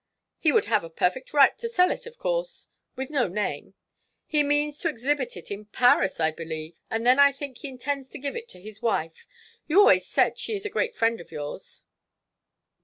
"He would have a perfect right to sell it, of course with no name. He means to exhibit it in Paris, I believe, and then I think he intends to give it to his wife. You always say she is a great friend of yours."